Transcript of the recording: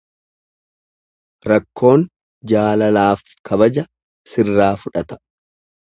Rakkoon jaalalaaf kabaja sirraa fudhata.